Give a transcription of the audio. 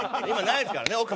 今ないですからね。